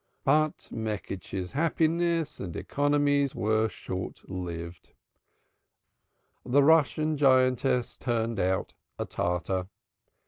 But Meckisch's happiness and economies were short lived. The Russian giantess turned out a tartar.